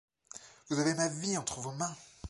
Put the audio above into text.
Vous avez ma vie entre vos mains.